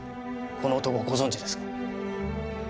この男ご存じですか？